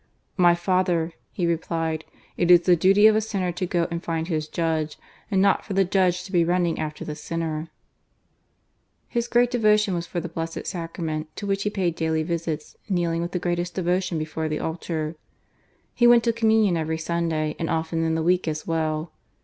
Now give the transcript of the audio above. " My Father," he replied, " it is the duty of a sinner to go and find his judge, and not for the judge to be running after the sinner !" His great devotion was for the Blessed Sacra ment, to which he paid daily visits, kneeling with the greatest devotion before the altar. He went to Communion every Sunday and often in the week as well.